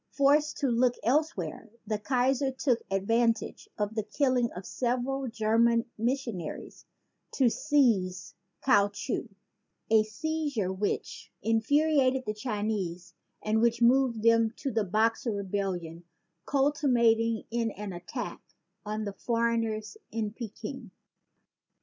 Forced to look elsewhere, the Kaiser took advantage of the killing of several German o seize Kiau Chau, a seizure which 143 ON THE LENGTH OF CLEOPATRA'S NOSE infuriated the Chinese and which moved them to the Boxer rebellion culminating in an attack on the foreigners in Peking.